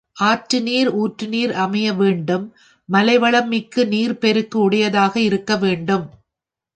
ஆற்று நீர், ஊற்று நீர் அமைய வேண்டும் மவைளம் மிக்கு நீர்ப்பெருக்கு உடையதாக இருக்க வேண்டும்.